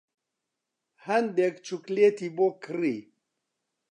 هەندێک چوکلێتی بۆ کڕی.